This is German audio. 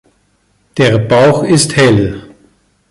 Der Bauch ist hell.